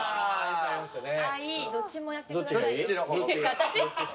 私？